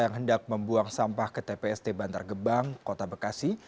yang hendak membuang sampah ke tpst bantar gebang kota bekasi